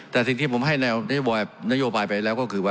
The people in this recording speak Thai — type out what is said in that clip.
แต่สิ่งที่ผมให้แนวนโยบายไปแล้วก็คือว่า